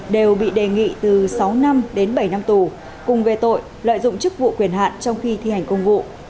đều bị đề nghị từ sáu năm đến bảy năm tù cùng về tội lợi dụng chức vụ quyền hạn trong khi thi hành công vụ